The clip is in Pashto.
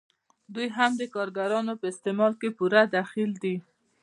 دوی هم د کارګرانو په استثمار کې پوره دخیل دي